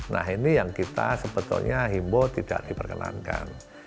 nah ini yang kita sebetulnya himbo tidak diperkenankan